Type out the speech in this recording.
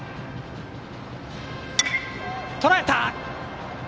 とらえた！